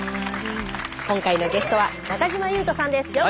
今回のゲストは中島裕翔さんです。